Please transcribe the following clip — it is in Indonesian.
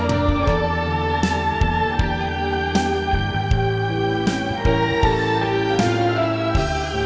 sampai jumpa lagi